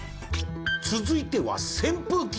続いては扇風機。